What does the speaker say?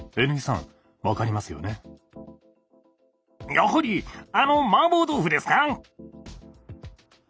やはりあのマーボー豆腐ですか？